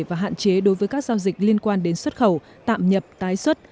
và hạn chế đối với các giao dịch liên quan đến xuất khẩu tạm nhập tái xuất